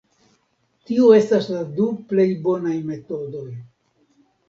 Tiu estas la du plej bonaj metodoj.